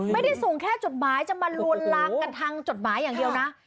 ไม่ได้ส่งแค่จดหมายจะมาลวนลามกันทางจดหมายอย่างเดียวนะ